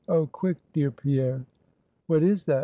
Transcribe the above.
oh, quick, dear Pierre!" "What is that?"